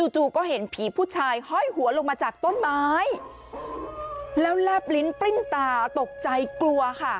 จู่ก็เห็นผีผู้ชายห้อยหัวลงมาจากต้นไม้แล้วแลบลิ้นปริ้นตาตกใจกลัวค่ะ